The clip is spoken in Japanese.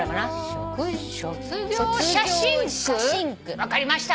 分かりました。